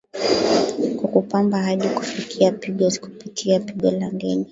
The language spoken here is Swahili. kwa kupamba hadi kufikia pigo kupitia pigo la ndege